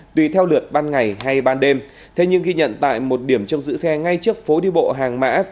tùy theo lượt ban ngày hay ban đêm thế nhưng ghi nhận tại một điểm trông giữ xe ngay trước phố đi bộ hàng mã